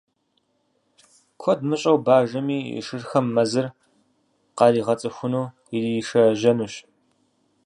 Куэд мыщӀэу бажэми и шырхэм мэзыр къаригъэцӏыхуну иришэжьэнущ.